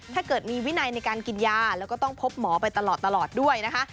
ถ้าเกิดมีวินัยในการกินยาแล้วก็ต้องพบหมอไปตลอดด้วยนะคะ